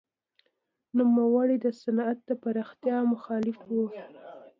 نوموړی د صنعت د پراختیا مخالف و.